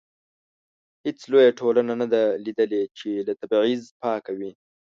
هیڅ لویه ټولنه نه ده لیدلې چې له تبعیض پاکه وي.